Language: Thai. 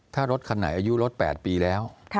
ถ้ารถคันไหนอายุรถ๘ปีแล้ว